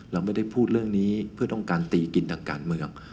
เราไม่ได้พูดเรื่องนี้เพื่อต้องการตีกินทางการเมือง